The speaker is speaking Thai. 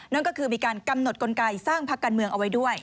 นั่นก็คือมีการกำหนดกลไกสร้างพักการเมืองเอาไว้ด้วย